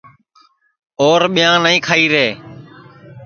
اور ٻیاں نائی کھائی رے